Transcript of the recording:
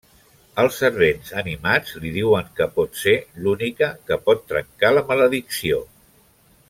Els servents animats, li diuen que pot ser l'única que pot trencar la maledicció.